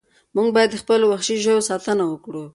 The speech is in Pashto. موږ باید د خپلو وحشي ژویو ساتنه وکړو.